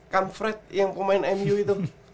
kan fret yang pemain mu itu